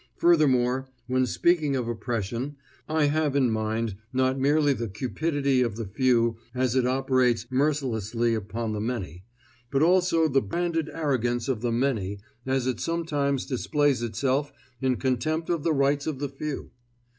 Furthermore, when speaking of oppression, I have in mind not merely the cupidity of the few as it operates mercilessly upon the many, but also the banded arrogance of the many as it sometimes displays itself in contempt for the rights of the few.